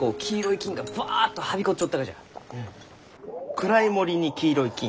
暗い森に黄色い菌。